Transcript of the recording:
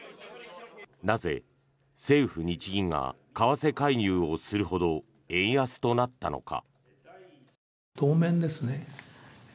なぜ、政府・日銀が為替介入をするほど円安となったのか。